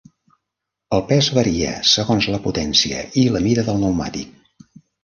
El pes varia segons la potència i la mida del pneumàtic.